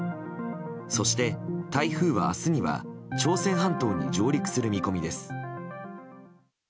そして、台風は明日には朝鮮半島に上陸する見込みです。